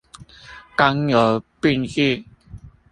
剛柔並濟